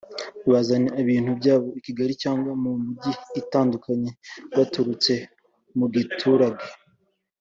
bazana ibintu byabo i Kigali cyangwa mu mijyi itandukanye baturutse mu giturage